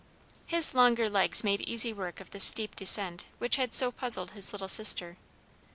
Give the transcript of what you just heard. His longer legs made easy work of the steep descent which had so puzzled his little sister.